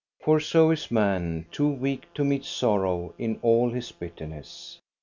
For so is man, tod weak to meet sorrow in all its bitterness!